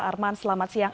arman selamat siang